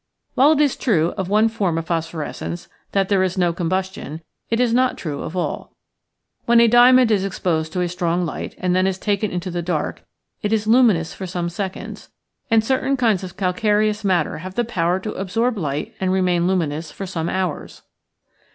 While it is true of one form of phosphorescence that there is no combustion, it is not true of all. When a diamond is exposed to a strong light and then is taken into the dark it is luminous for some seconds; and certain kinds of cal careous matter have the power to absorb light and remain luminous for some hours.